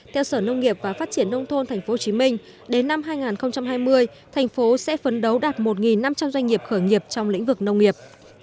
theo sở nông nghiệp và phát triển nông thôn tp hcm đến năm hai nghìn hai mươi thành phố sẽ phấn đấu đạt một năm trăm linh doanh nghiệp khởi nghiệp trong lĩnh vực nông nghiệp